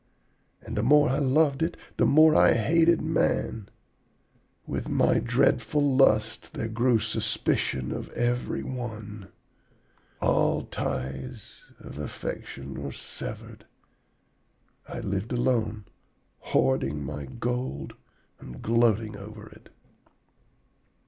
And the more I loved it, the more I hated man. With my dreadful lust there grew suspicion of every one. All ties of affection were severed. I lived alone, hoarding my gold and gloating over it.